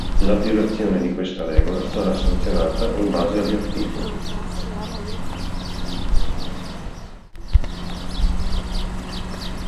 La violazione di questa regola sarà sanzionata in base agli articoli.